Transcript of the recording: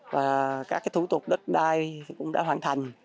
và các thủ tục đất đai cũng đã hoàn thành